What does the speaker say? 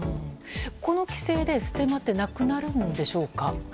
この規制でステマってなくなるんでしょうか？